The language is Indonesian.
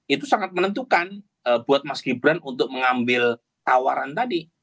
itu sangat menentukan buat mas gibran untuk mengambil tawaran tadi